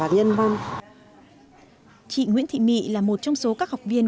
văn chị nguyễn thị mị là một trong số các học viên đặc biệt của hồ chí minh và các học viên